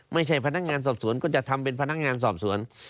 ไม่ใช่พนักงานสอบสวนก็จะทำเป็นพนักงานสอบสวน